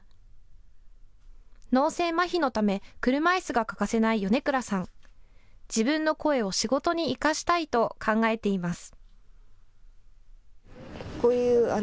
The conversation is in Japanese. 脳性まひのため車いすが欠かせない米倉さん、自分の声を仕事に生かしたいと考えています。